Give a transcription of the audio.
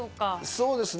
そうですね。